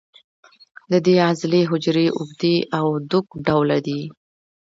د دې عضلې حجرې اوږدې او دوک ډوله دي.